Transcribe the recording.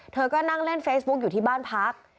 เธอก็นั่งเล่นเฟซบุ๊กอยู่ที่บ้านพัก